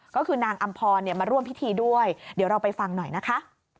ก็คือนางอำพรมาร่วมพิธีด้วยเดี๋ยวเราไปฟังหน่อยนะคะ